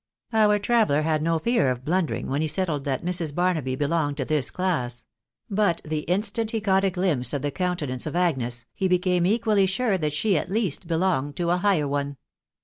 Our traveller had no fear of blundering when he settled that Mrs. Barnaby belonged to this class ; but the instant he caugbt a glimpse of the coun tenance of Agnes, he became equally sure that she at least be. longed to a higher one.